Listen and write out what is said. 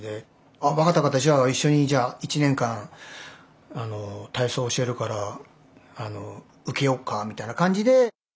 あ分かった分かったじゃあ一緒にじゃあ１年間体操教えるから受けよっかみたいな感じで。